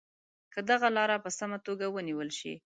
که دغه لاره په سمه توګه ونیول شي.